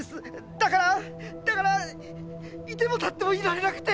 だからだからいても立ってもいられなくて。